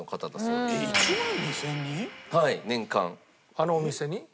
あのお店に？